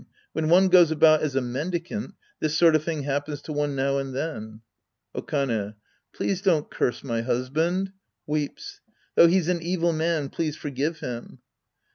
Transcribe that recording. When one goes about as a mendicant, this sort of thing happens to one now and then. Okane. Please don't curse my husband. {Weeps.) Though he's an evil man, please forgive him.